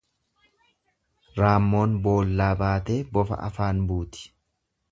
Raammoon boollaa baatee bofa afaan buuti.